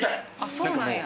そうなんや。